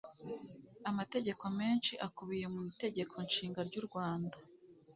amategeko menshi akubiye mu itegeko nshinga ry'u rwanda